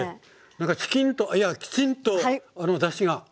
なんかチキンといやきちんとだしが。